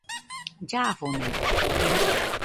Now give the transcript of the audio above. Llafonaidɨkue